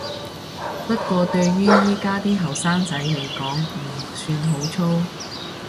不過對於而家啲後生仔來講唔算好粗